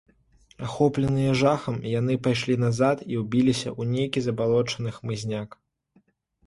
Ахопленыя жахам, яны пайшлі назад і ўбіліся ў нейкі забалочаны хмызняк.